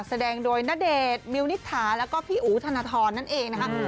แสดงโดยณเดชน์มิวนิษฐาแล้วก็พี่อู๋ธนทรนั่นเองนะคะ